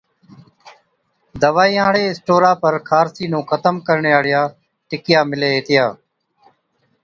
دوائِيان هاڙي اسٽورا پر خارسي نُون ختم ڪرڻي هاڙِيا ٽِڪِيا مِلي هِتِيا۔